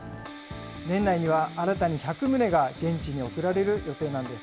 年内には新たに１００棟が現地に送られる予定なんです。